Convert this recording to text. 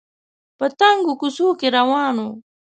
په تنګو کوڅو کې روان و